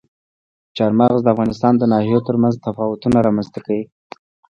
چار مغز د افغانستان د ناحیو ترمنځ تفاوتونه رامنځ ته کوي.